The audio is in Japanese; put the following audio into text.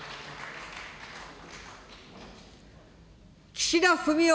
岸田文雄